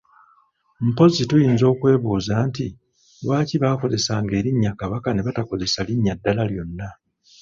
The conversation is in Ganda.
Mpozzi tuyinza okwebuuza nti lwaki baakozesanga erinnya Kabaka ne batakozesa linnya ddala lyonna?